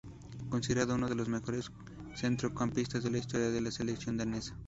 Considerado unos de los mejores centrocampistas de la historia de la selección danesa.